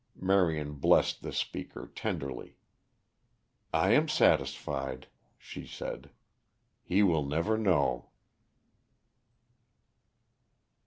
Marion blessed the speaker tenderly. "I am satisfied," she said. "He will never know."